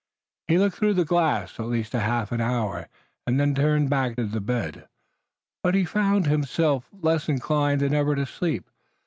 He looked through the glass at least a half hour, and then turned back to the bed, but found himself less inclined than ever to sleep.